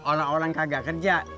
orang orang kagak kerja